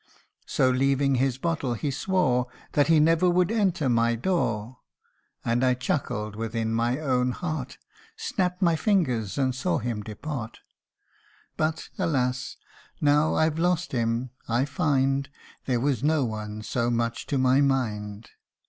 So leaving his bottle, he swore That he never would enter my door. And I chuckled within my own heart, Snapped my fingers, and saw him depart But, alas ! now I've lost him, I find There was no one so much to my mind.